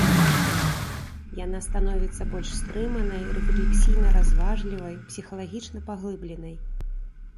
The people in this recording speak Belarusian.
Яна становіцца больш стрыманай, рэфлексійна-разважлівай, псіхалагічна-паглыбленай.